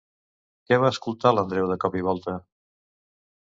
Què va escoltar l'Andreu de cop i volta?